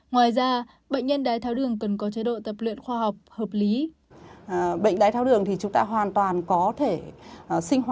ngoài ra bệnh nhân đái tháo đường cần có chế độ tập luyện khoa học hợp lý